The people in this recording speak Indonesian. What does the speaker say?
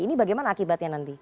ini bagaimana akibatnya nanti